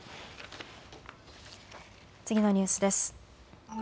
次のニュースです。